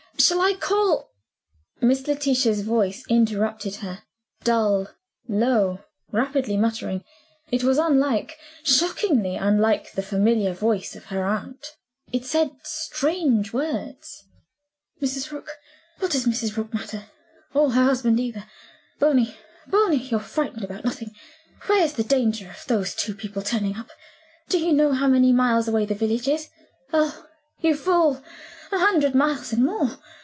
Shall I call ?" Miss Letitia's voice interrupted her. Dull, low, rapidly muttering, it was unlike, shockingly unlike, the familiar voice of her aunt. It said strange words. "Mrs. Rook? What does Mrs. Rook matter? Or her husband either? Bony, Bony, you're frightened about nothing. Where's the danger of those two people turning up? Do you know how many miles away the village is? Oh, you fool a hundred miles and more.